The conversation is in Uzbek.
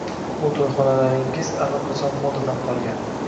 Bu to`yxonalaringiz allaqachon modadan qolgan